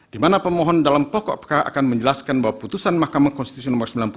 di mana permohon dalam pokok perkara akan menjelaskan bahwa putusan mk no sembilan puluh